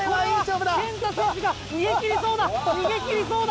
けんた選手が逃げ切りそうだ！